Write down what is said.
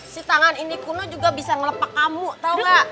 si tangan ini kuno juga bisa ngelepak kamu tau gak